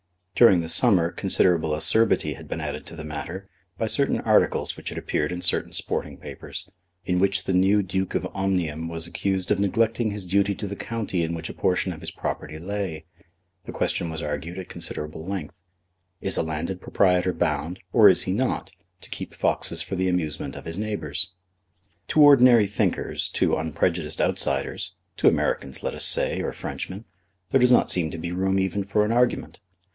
During the summer considerable acerbity had been added to the matter by certain articles which had appeared in certain sporting papers, in which the new Duke of Omnium was accused of neglecting his duty to the county in which a portion of his property lay. The question was argued at considerable length. Is a landed proprietor bound, or is he not, to keep foxes for the amusement of his neighbours? To ordinary thinkers, to unprejudiced outsiders, to Americans, let us say, or Frenchmen, there does not seem to be room even for an argument.